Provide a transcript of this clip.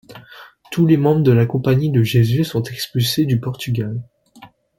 Tous les membres de la Compagnie de Jésus sont expulsés du Portugal.